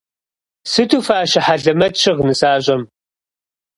Сыту фащэ хьэлэмэт щыгъ нысащӏэм.